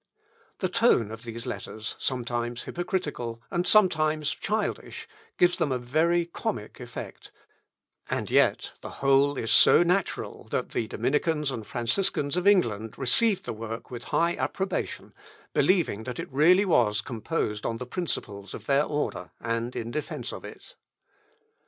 The tone of these letters, sometimes hypocritical and sometimes childish, gives them a very comic effect, and yet the whole is so natural, that the Dominicans and Franciscans of England received the work with high approbation, believing that it really was composed on the principles of their order, and in defence of it.